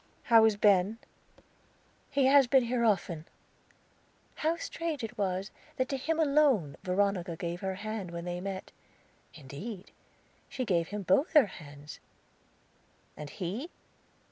"How is Ben?" "He has been here often. How strange it was that to him alone Veronica gave her hand when they met! Indeed, she gave him both her hands." "And he?"